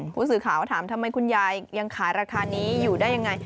ผู้สื่อข่าวถามทำไมคุณยายยังขายราคานี้อยู่ได้ยังไง